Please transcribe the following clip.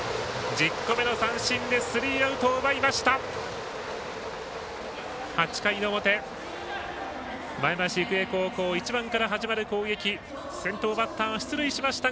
１０個目の三振でスリーアウトを奪いました。